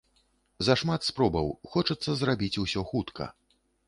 Зашмат спробаў, хочацца зрабіць усё хутка.